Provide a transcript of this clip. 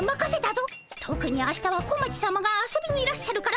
とくに明日は小町さまが遊びにいらっしゃるから慎重にな。